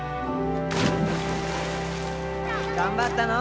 頑張ったのぉ。